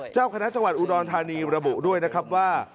เจ้าคณะจังหวัดอุดรธานีระบุด้วยนะครับว่า